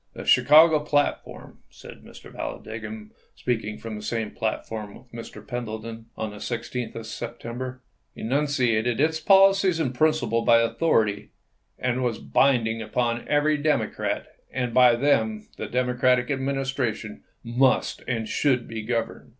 " The Chicago platform," said Mr. Vallan digham, speaking from the same platform with Mr. Pendleton on the 16th of September, " enunciated its policy and principles by authority and was bind ing upon every Democrat, and by them the Demo cratic Administration must and should be governed.